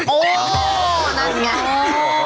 นั่นไง